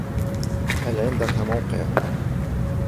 هل عندك موقع ؟